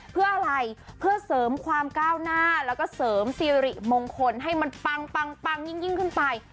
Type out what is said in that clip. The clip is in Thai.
เพื่ออะไรเพื่อเสริมความก้าวหน้าแล้วก็เสริมสิริมงคลให้มันปังยิ่งขึ้นไป